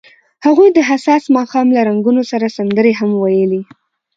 هغوی د حساس ماښام له رنګونو سره سندرې هم ویلې.